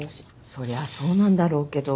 そりゃそうなんだろうけど。